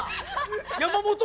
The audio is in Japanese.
山本。